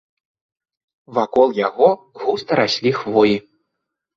Вакол яго густа раслі хвоі.